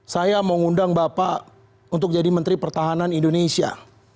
saya mau ngundang bapak untuk jadi menteri pertahanan indonesia